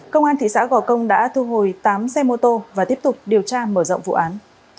công an thị xã gò công đã thu hồi tám xe mô tô và tiếp tục điều tra mở rộng vụ án